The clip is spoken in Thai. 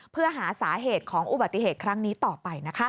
เพื่อหาสาเหตุของอุบัติเหตุครั้งนี้ต่อไปนะคะ